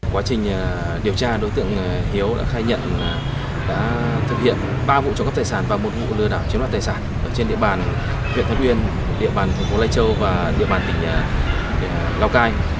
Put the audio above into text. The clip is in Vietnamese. quá trình điều tra đối tượng hiếu đã thực hiện ba vụ trộm cắp tài sản và một vụ lừa đảo chiếm đoạt tài sản trên địa bàn huyện than uyên địa bàn thành phố lây châu và địa bàn tỉnh lào cai